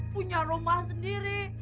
punya rumah sendiri